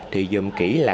thì dồm kỹ là